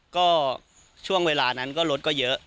ก็ช่วงเวลานั้นก็รถก็เยอะ